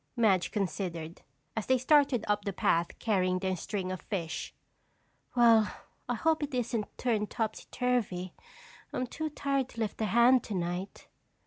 Madge considered, as they started up the path carrying their string of fish. "Well, I hope it isn't turned topsy turvy. I'm too tired to lift a hand tonight."